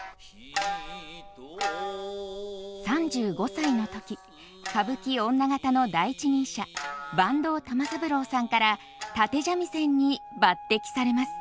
３５歳の時歌舞伎女方の第一人者坂東玉三郎さんから立三味線に抜擢されます。